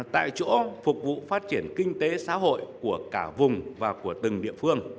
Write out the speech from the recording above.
tại chỗ phục vụ phát triển kinh tế xã hội của cả vùng và quốc tế